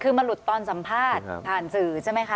คือมันหลุดตอนสัมภาษณ์ผ่านสื่อใช่ไหมคะ